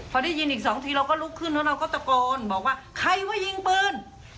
พอได้ยินอีกสองทีเราก็ลุกขึ้นแล้วเราก็ตะโกนบอกว่าใครว่ายิงปืน